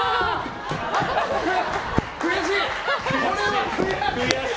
悔しい！